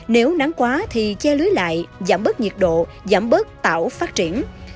nếu nắng quá thì che lưới lại giảm bớt nhiệt độ giảm bớt tạo phát triển